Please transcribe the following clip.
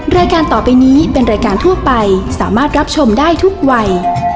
รายการต่อไปนี้เป็นรายการทั่วไปสามารถรับชมได้ทุกวัย